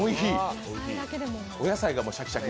お野菜がシャキシャキ。